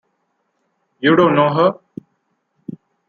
You don't know her?